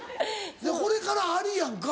これからありやんか。